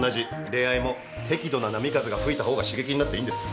恋愛も適度な波風が吹いた方が刺激になっていいんです。